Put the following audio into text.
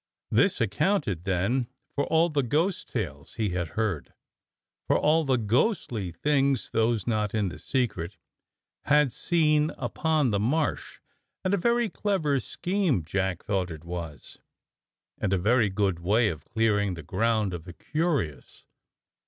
This accounted, then, for all the ghost tales he had heard, for all the ghostly things those not in the secret had seen upon the Marsh, and a very clever scheme Jack THE SCARECROW'S LEGION 201 thought it was, and a very good way of clearing the ground of the curious.